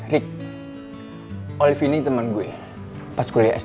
rick olive ini temen gue pas kuliah s dua